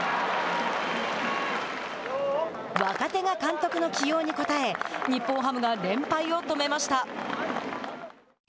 若手が監督の起用に応え日本ハムが連敗を止めました。